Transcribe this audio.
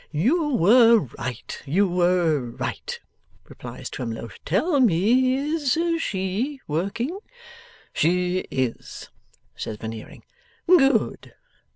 'You were right, you were right,' replies Twemlow. 'Tell me. Is SHE working?' 'She is,' says Veneering. 'Good!